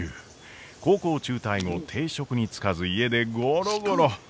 高校を中退後定職に就かず家でゴロゴロ。